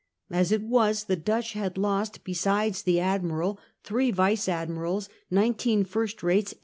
As it was, the Dutch had lost, besides the admiral, three vice adiyirals. 132 The First Dutch War.